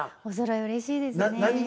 おそろいうれしいですね。